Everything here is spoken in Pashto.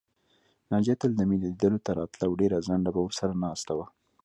ناجیه تل د مينې لیدلو ته راتله او ډېر ځنډه به ورسره ناسته وه